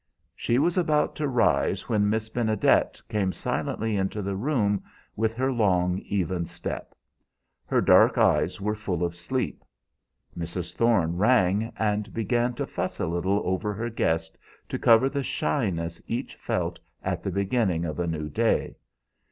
She was about to rise when Miss Benedet came silently into the room with her long, even step. Her dark eyes were full of sleep. Mrs. Thorne rang, and began to fuss a little over her guest to cover the shyness each felt at the beginning of a new day.